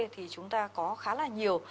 thì chúng ta có khá là nhiều